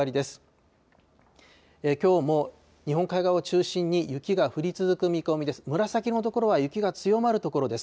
きょうも日本海側を中心に雪が降り続く見込みです。